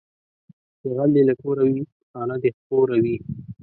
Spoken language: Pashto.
چې غل دې له کوره وي، خانه دې خپوره وي